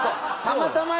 たまたま。